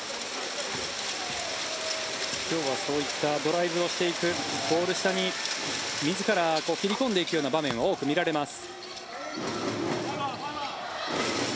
今日はそういったドライブをしていくゴール下に自ら切り込んでいくような場面が多く見られます。